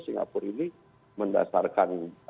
singapura ini mendasarkan